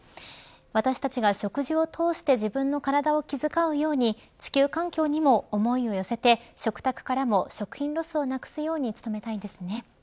私たちが食事を通して自分の体を気遣うように地球環境にも思いを寄せて食卓からも食品ロスをなくすように努めたいですね。